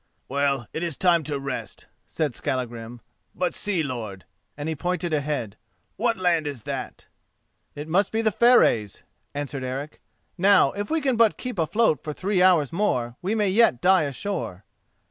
"Well, it is time to rest," said Skallagrim; "but see, lord!" and he pointed ahead. "What land is that?" "It must be the Fareys," answered Eric; "now, if we can but keep afloat for three hours more, we may yet die ashore."